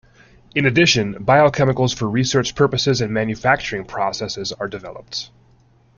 In addition, biochemicals for research purposes and manufacturing processes are developed.